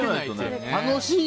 楽しい！